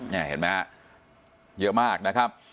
นี่เห็นไหมฮะเยอะมากนะครับ